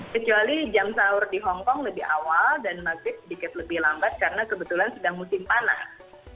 kecuali jam sahur di hongkong lebih awal dan maghrib sedikit lebih lambat karena kebetulan sedang musim panas